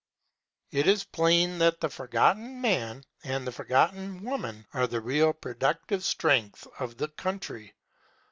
It is plain that the Forgotten Man and the Forgotten Woman are the real productive strength of the country.